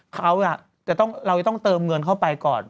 เขาเราจะต้องเติมเงินเข้าไปก่อน